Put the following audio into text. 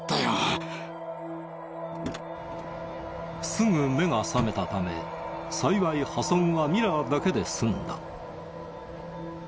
すぐ目が覚めたため幸い破損はミラーだけで済んだ。